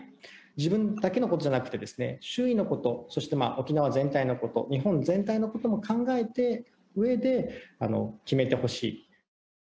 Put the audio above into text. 自分だけのことじゃなくて、周囲のこと、そして沖縄全体のこと、日本全体のことも考えたうえで、決めてほしい。